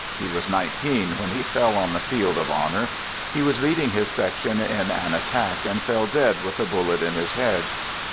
He was nineteen when he fell on the field of honor. He was leading his section in an attack, and fell dead with a bullet in his head.